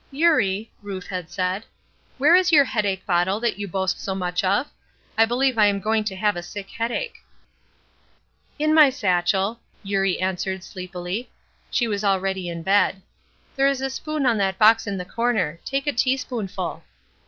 "Eurie," Ruth had said, "where is your head ache bottle that you boast so much of? I believe I am going to have a sick headache." "In my satchel," Eurie answered, sleepily. She was already in bed. "There is a spoon on that box in the corner; take a tea spoonful."